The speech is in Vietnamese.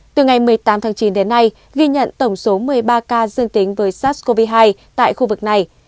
từ ngày một mươi tám tháng chín đến nay ghi nhận tổng số một mươi ba ca dương tính với sars cov hai tại khu vực này